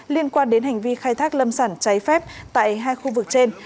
liên quan đến hành vi khai thác lâm sản trái phép tại hai khu vực trên